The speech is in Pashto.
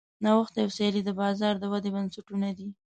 نوښت او سیالي د بازار د ودې بنسټونه دي.